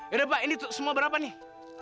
udah pak ini semua berapa nih